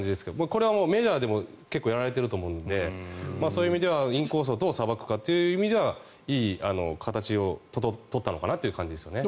これはメジャーでも結構やられていると思うのでそういう意味ではインコースをどうさばくかという意味ではいい形を取ったのかなという感じですよね。